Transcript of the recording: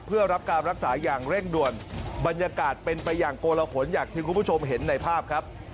เพื่อรับการรักษาอย่างเร่งด่วนบรรยากาศเป็นไปอย่างโกลหนอย่างที่คุณผู้ชมเห็นในภาพครับ